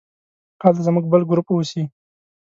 هلته زموږ بل ګروپ اوسي.